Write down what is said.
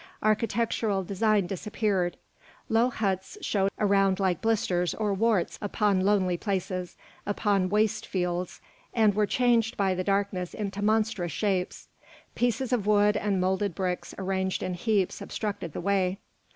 Architectural design disappeared; low huts showed around like blisters or warts upon lonely places, upon waste fields, and were changed by the darkness into monstrous shapes. Pieces of wood and moulded bricks arranged in heaps obstructed the way.